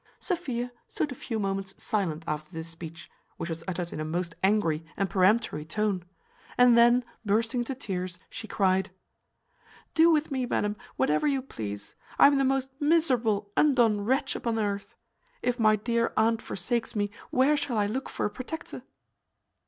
Sophia stood a few moments silent after this speech, which was uttered in a most angry and peremptory tone; and then, bursting into tears, she cryed, "Do with me, madam, whatever you please; I am the most miserable undone wretch upon earth; if my dear aunt forsakes me where shall I look for a protector?"